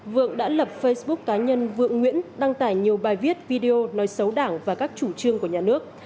vượng đã lập facebook cá nhân vượng nguyễn đăng tải nhiều bài viết video nói xấu đảng và các chủ trương của nhà nước